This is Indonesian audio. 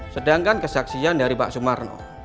sedangkan kesaksian dari pak sumarno